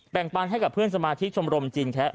แปลงปหันให้กับเพื่อนสมาธิกสมรมจีนแค้ง